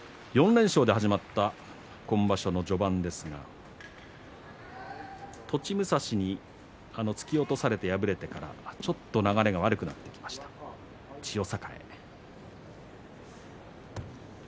４連勝で始まった今場所の序盤ですが栃武蔵に突き落とされて敗れてからちょっと流れが悪くなってきました、千代栄。